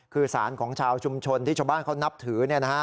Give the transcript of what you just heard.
คือสารของชาวชุมชนที่ชาวบ้านเขานับถือ